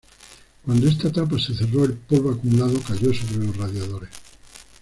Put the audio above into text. Cuando esta tapa se cerró, el polvo acumulado cayó sobre los radiadores.